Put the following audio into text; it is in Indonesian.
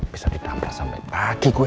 bisa ditampar sampai pagi gue